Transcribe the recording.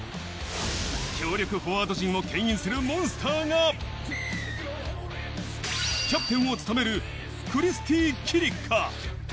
強力フォワード陣をけん引するモンスターがキャプテンを務めるクリスティ・キリカ。